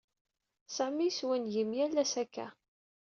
Sami yeswingim yall-ass akk-a.